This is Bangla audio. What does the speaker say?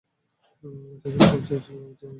আশা করি কাউকে ঢোল পিটিয়ে এসব বলবে না।